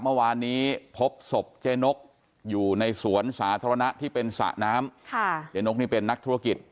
เมื่อวานนี้พบศพเจ๊นกอยู่ในสวนสาธารณะที่เป็นสระน้ำค่ะเจ๊นกนี่เป็นนักธุรกิจ